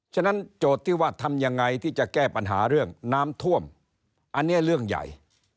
ฉะนั้นโจทย์ที่ว่าทำยังไงที่จะแก้ปัญหาเรื่องน้ำท่วมอันนี้เรื่องใหญ่